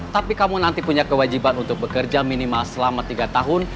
tapi kamu nanti punya kewajiban untuk bekerja minimal selama tiga tahun